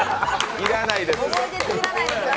要らないです。